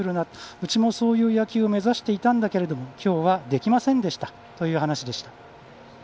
うちもそういう野球を目指していたんだけれどもきょうは、できませんでしたという話でした。